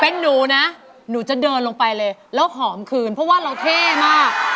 เป็นหนูนะหนูจะเดินลงไปเลยแล้วหอมคืนเพราะว่าเราเท่มาก